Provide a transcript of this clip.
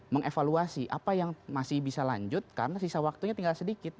mengevaluasi apa yang masih bisa lanjut karena sisa waktunya tinggal sedikit